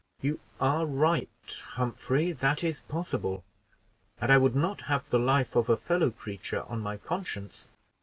"You are right, Humphrey, that is possible; and I would not have the life of a fellow creature on my conscience."